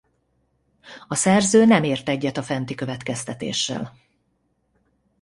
A szerző nem ért egyet a fenti következtetéssel.